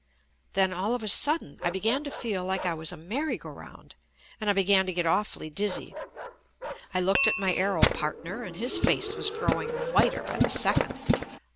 Then all of a sudden I began to feel like I was a merry go round, and I began to get awfully dizzy. 1 looked at my aero partner and his face was growing whiter by the second.